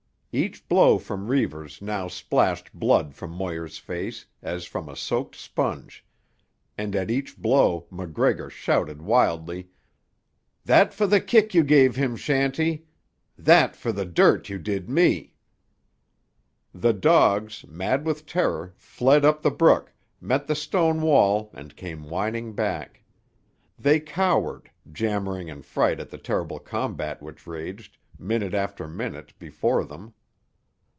Each blow from Reivers now splashed blood from Moir's face as from a soaked sponge, and at each blow MacGregor shouted wildly: "That for the kick you gave him, Shanty! That for the dirt you did me!" The dogs, mad with terror, fled up the brook, met the stone wall and came whining back. They cowered, jammering in fright at the terrible combat which raged, minute after minute, before them.